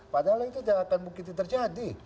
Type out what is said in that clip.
padahal itu tidak akan mungkin terjadi